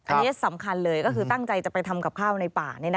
อันนี้สำคัญเลยก็คือตั้งใจจะไปทำกับข้าวในป่า